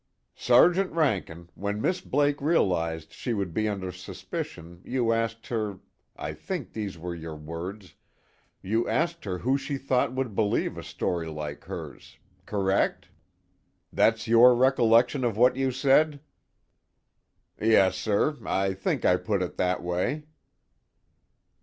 "Sergeant Rankin, when Miss Blake realized she would be under suspicion, you asked her I think these were your words you asked her who she thought would believe a story like hers. Correct? that's your recollection of what you said?" "Yes, sir, I think I put it that way."